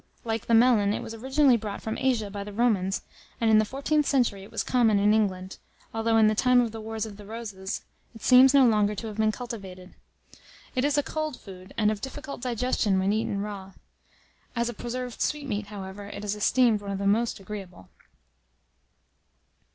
Like the melon, it was originally brought from Asia by the Romans, and in the 14th century it was common in England, although, in the time of the wars of "the Roses," it seems no longer to have been cultivated. It is a cold food, and of difficult digestion when eaten raw. As a preserved sweetmeat, however, it is esteemed one of the most agreeable.